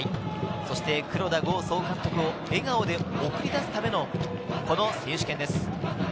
そして黒田剛総監督を笑顔で送り出すための、この選手権です。